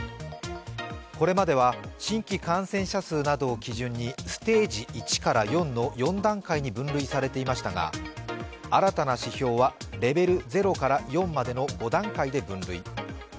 これまでは新規感染者数などを基準にステージ１から４の４段階に分類されていましたが新たな指標はレベル０から４までの５段階で分類。